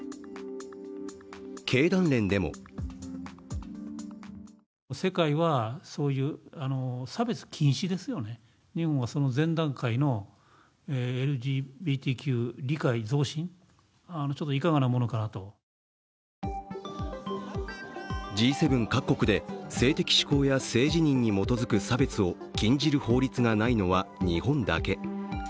経団連でもＧ７各国で性的指向や性自認に基づく差別を禁じる法律がないのは日本だけ。